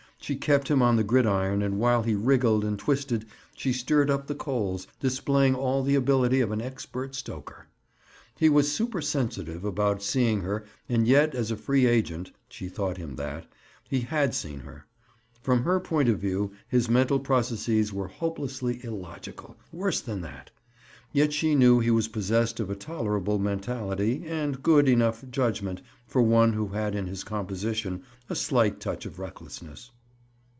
She kept him on the gridiron and while he wriggled and twisted she stirred up the coals, displaying all the ability of an expert stoker. He was supersensitive about seeing her and yet as a free agent (she thought him that) he had seen her. From her point of view, his mental processes were hopelessly illogical—worse than that. Yet she knew he was possessed of a tolerable mentality and a good enough judgment for one who had in his composition a slight touch of recklessness.